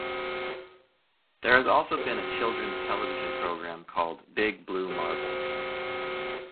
There has also been a children's television program called "Big Blue Marble".